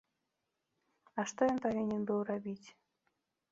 А што ён павінен быў рабіць?!